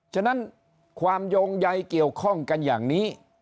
ฉะนั้นความโยงใยเกี่ยวข้องกันอย่างนี้